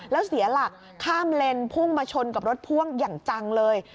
แล้วเสียหลักข้ามเลนพุ่งมาชนกับรถพ่วงอย่างจังเลย